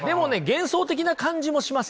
幻想的な感じもしません？